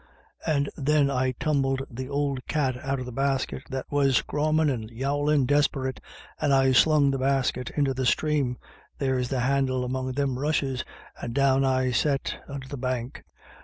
And then I tumbled th' ould cat out of the basket, that was scrawmin* and yowlin' disp'rit, and I slung the basket into the sthrame — there's the handle among them rushes — and down I sat under the bank.